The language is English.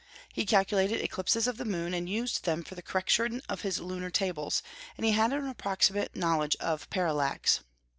He calculated eclipses of the moon, and used them for the correction of his lunar tables, and he had an approximate knowledge of parallax."